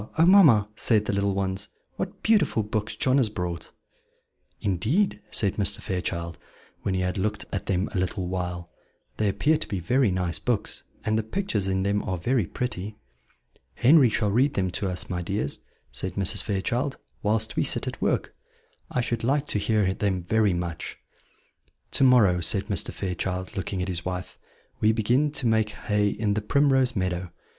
oh, mamma!" said the little ones, "what beautiful books John has brought!" "Indeed," said Mr. Fairchild, when he had looked at them a little while, "they appear to be very nice books, and the pictures in them are very pretty." "Henry shall read them to us, my dears," said Mrs. Fairchild, "whilst we sit at work; I should like to hear them very much." "To morrow," said Mr. Fairchild, looking at his wife, "we begin to make hay in the Primrose Meadow.